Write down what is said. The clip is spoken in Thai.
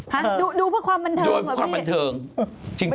หาดูเพราะความบันเทิงเหรอพี่